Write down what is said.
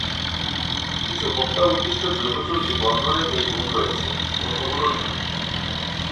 কিছু ভোক্তা-উদ্দিষ্ট জৈবচুল্লি বন্ধনের এই গুণ রয়েছে, অন্যগুলো নেই।